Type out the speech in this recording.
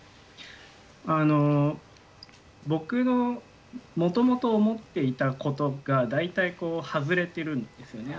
あの僕のもともと思っていたことが大体外れてるんですよね。